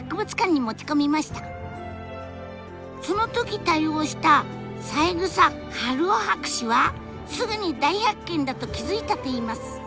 その時対応した三枝春生博士はすぐに大発見だと気付いたといいます。